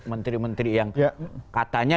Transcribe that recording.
menteri menteri yang katanya